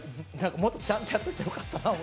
もっとちゃんとやっといたらよかったなと。